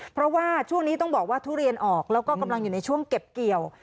เพราะว่าช่วงนี้ต้องบอกว่าทุเรียนออกแล้วก็กำลังอยู่ในช่วงเก็บเกี่ยว